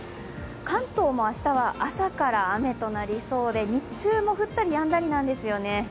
関東も明日は朝から雨となりそうで、日中も降ったりやんだりなんですよね。